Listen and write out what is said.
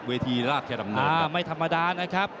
เวทีราชธนรรย์ครับอ่าไม่ธรรมดานนะครับ